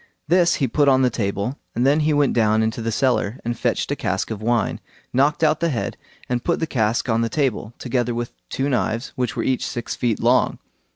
This he put on the table, and then he went down into the cellar, and fetched a cask of wine, knocked out the head, and put the cask on the table, together with two knives, which were each six feet long.